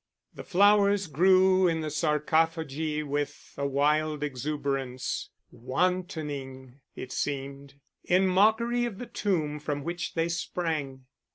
The flowers grew in the sarcophagi with a wild exuberance, wantoning, it seemed, in mockery of the tomb from which they sprang.